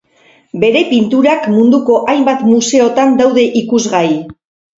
Bere pinturak munduko hainbat museotan daude ikusgai.